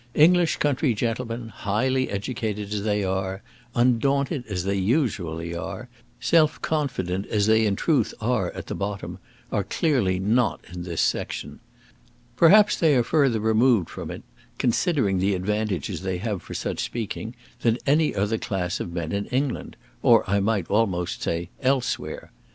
English country gentlemen, highly educated as they are, undaunted as they usually are, self confident as they in truth are at the bottom, are clearly not in this section. Perhaps they are further removed from it, considering the advantages they have for such speaking, than any other class of men in England, or I might almost say elsewhere.